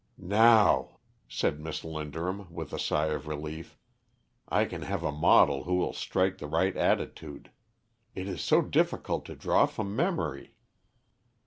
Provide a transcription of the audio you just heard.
"Now," said Miss Linderham, with a sigh of relief, "I can have a model who will strike the right attitude. It is so difficult to draw from memory."